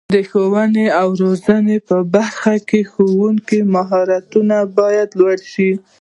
د ښوونې او روزنې په برخه کې د ښوونکو مهارتونه باید لوړ شي.